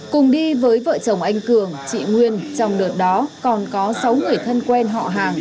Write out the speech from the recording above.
cùng đi với vợ chồng anh cường chị nguyên trong đợt đó còn có sáu người thân quen họ hàng